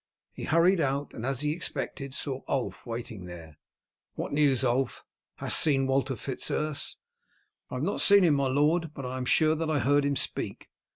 He hurried out, and, as he expected, saw Ulf waiting there. "What news, Ulf, hast seen Walter Fitz Urse?" "I have not seen him, my lord, but I am sure that I heard him speak.